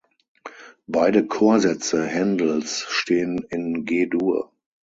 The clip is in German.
Beide Chorsätze Händels stehen in G-Dur.